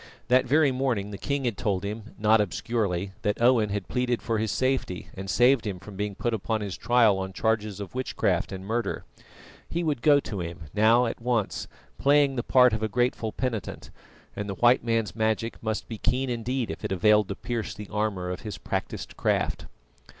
That very morning the king had told him not obscurely that Owen had pleaded for his safety and saved him from being put upon his trial on charges of witchcraft and murder. He would go to him, now at once, playing the part of a grateful penitent, and the White Man's magic must be keen indeed if it availed to pierce the armour of his practised craft.